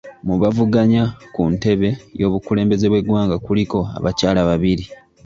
Mu bavuganya ku ntebe y'obukulembeze bw'eggwanga kuliko abakyala babiri.